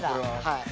はい。